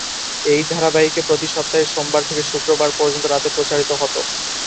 এই ধারাবাহিকে প্রতি সপ্তাহের সোমবার থেকে শুক্রবার পর্যন্ত রাতে প্রচারিত হতো।